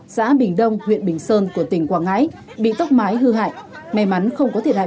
xã bình đông huyện bình sơn của tỉnh quảng ngãi bị tốc mái hư hại may mắn không có thiệt hại